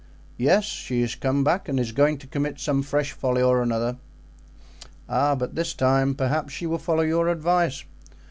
"Yes she is come back and is going to commit some fresh folly or another." "Oh, but this time perhaps she will follow your advice."